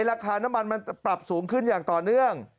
ราคาน้ำมันมันปรับสูงขึ้นอย่างต่อเนื่อง